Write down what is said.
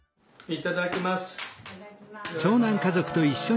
いただきます。